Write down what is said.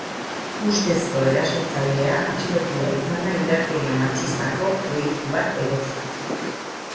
Ustezko erasotzailea atxilotua izan da indarkeria matxistako delitu bat egotzita.